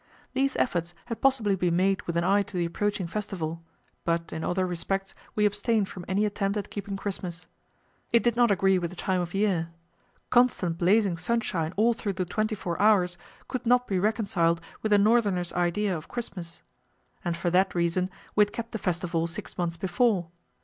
These efforts had possibly been made with an eye to the approaching festival, but in other respects we abstained from any attempt at keeping Christmas. It did not agree with the time of year; constant blazing sunshine all through the twenty four hours could not be reconciled with a northerner's idea of Christmas. And for that reason we had kept the festival six months before.